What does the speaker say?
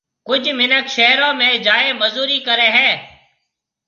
ڪجھ مِنک شھرون ۾ جائيَ مزوري ڪرَي ھيََََ